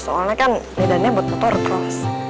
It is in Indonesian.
soalnya kan leidannya buat motocross